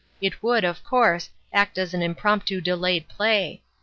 It would, of course, act as an impromptu delayed play.